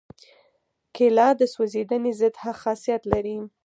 کېله د سوځېدنې ضد خاصیت لري.